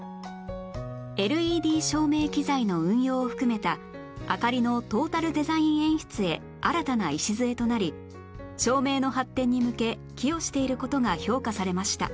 ＬＥＤ 照明機材の運用を含めた明かりのトータルデザイン演出へ新たな礎となり照明の発展に向け寄与している事が評価されました